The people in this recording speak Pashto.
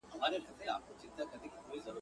د عمر په حساب مي ستړي کړي دي مزلونه.